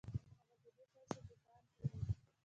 هغه په دې پیسو بوټان پيري.